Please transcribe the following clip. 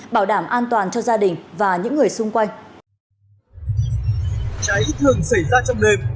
bảo đảm an toàn cho gia đình và những người xung quanh